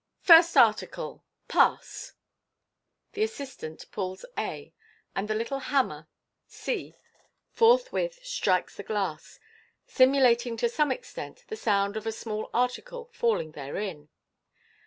First article, pass!" The assistant pulls a, and the little hammer c forthwith strikes the glass, simulating to some extent the sound of a small article falling therein.